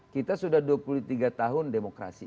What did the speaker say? kita sudah dua puluh tiga tahun demokrasi